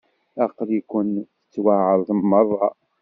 Aql-iken tettwaɛreḍem merra.